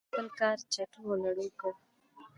احمد خپل کار چټو او لړو کړ.